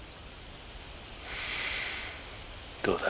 どうだ？